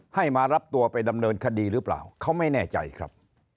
ให้มารับตัวไปดำเนินคดีหรือเปล่าเขาไม่แน่ใจครับ